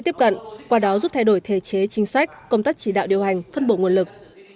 tiếp cận qua đó giúp thay đổi thể chế chính sách công tác chỉ đạo điều hành phân bổ nguồn lực